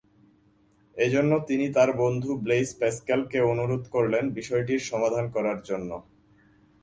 এজন্য তিনি তার বন্ধু ব্লেইস প্যাসকেল কে অনুরোধ করলেন বিষয়টির সমাধান করার জন্য।